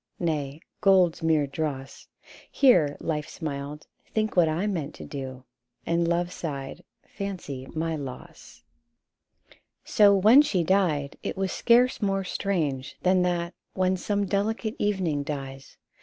Nay, gold's mere dross : Here, Life smiled, M Think what I meant to do !" And Love sighed, M Fancy my loss !" So, when she died, it was scarce more strange Than that, when delicate evening dies, 76 THE BOYS' BROWNING.